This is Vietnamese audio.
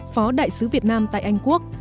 phó đại sứ việt nam tại anh quốc